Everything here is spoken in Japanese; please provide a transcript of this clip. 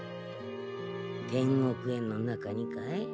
天獄園の中にかい？